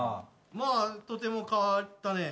まあとても変わったね。